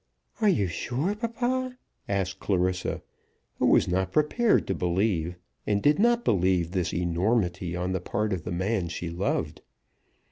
"Are you sure, papa?" asked Clarissa, who was not prepared to believe, and did not believe this enormity on the part of the man she loved.